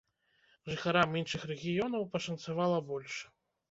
Жыхарам іншых рэгіёнаў пашанцавала больш.